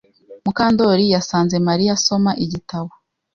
Mukandori yasanze Mariya asoma igitabo.